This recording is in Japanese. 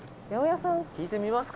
「聞いてみますか？」